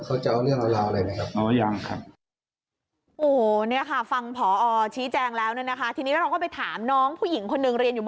เขาจะเอาเรื่องราวอะไรนะครับยังครับ